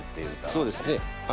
そうですね。